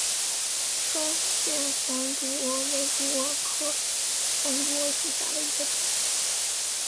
双线黄毒蛾为毒蛾科黄毒蛾属下的一个种。